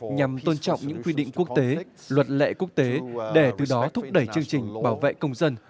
nhằm tôn trọng những quy định quốc tế luật lệ quốc tế để từ đó thúc đẩy chương trình bảo vệ công dân